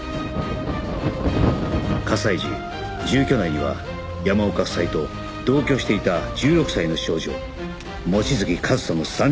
火災時住居内には山岡夫妻と同居していた１６歳の少女望月和沙の３人がいた